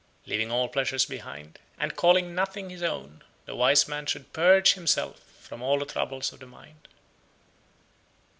Leaving all pleasures behind, and calling nothing his own, the wise man should purge himself from all the troubles of the mind.